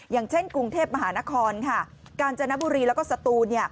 อย่างเช่นกรุงเทพมหานครค่ะกาญจนบุรีแล้วก็สตูน